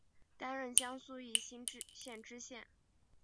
担任江苏宜兴县知县。